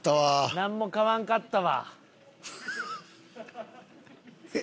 なんも買わんかったわ。